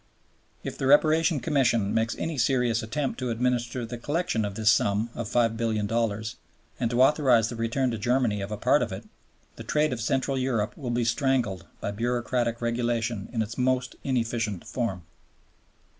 If the Reparation Commission makes any serious attempt to administer the collection of this sum of $5,000,000,000 and to authorize the return to Germany of a part it, the trade of Central Europe will be strangled by bureaucratic regulation in its most inefficient form.